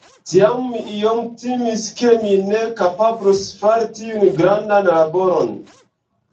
Tiam mi iom timis, ke mi ne kapablos fari tiun grandan laboron.